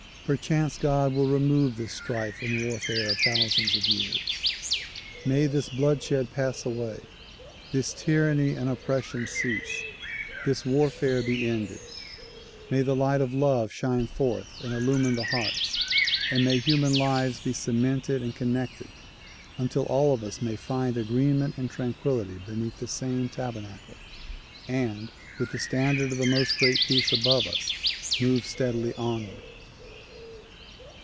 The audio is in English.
Perchance God will remove this strife and warfare of thousands of years. ]\Iay this bloodshed pass away, this tyranny and oppression cease, this warfare be ended. May the light of love shine forth and illumine hearts and may human lives be cemented and connected until all of us may find agreement and tranquillity beneath the 112 THE PROMULGATION OF UNIVERSAL PEACE same tabernacle, and with the standard of the ''Most Great Peace" above us move steadily onward.